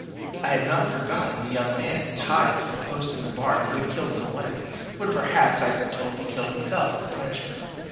I had not forgotten the young man tied to the post in the barn who had killed some one, and would perhaps, I had been told, be killed himself as a punishment.